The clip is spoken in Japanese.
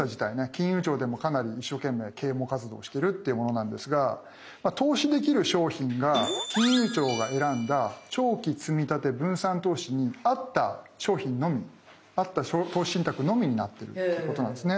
金融庁でもかなり一生懸命啓蒙活動をしてるってものなんですが投資できる商品が金融庁が選んだ長期積立分散投資に合った商品のみ合った投資信託のみになってるっていうことなんですね。